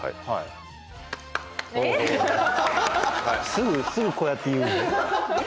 すぐすぐこうやって言うんだよ。